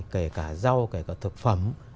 kể cả rau kể cả thực phẩm